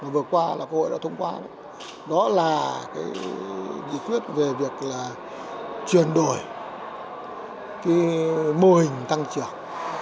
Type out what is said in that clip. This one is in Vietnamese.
vừa qua là quốc hội đã thông qua đó là dịch viết về việc là truyền đổi mô hình tăng trưởng